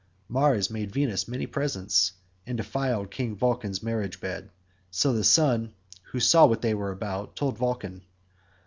Mars made Venus many presents, and defiled King Vulcan's marriage bed, so the sun, who saw what they were about, told Vulcan.